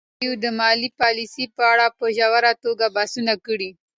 ازادي راډیو د مالي پالیسي په اړه په ژوره توګه بحثونه کړي.